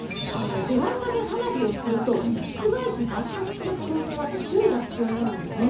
ベランダで花火をすると、室外機が爆発する可能性があって注意が必要なようなんですね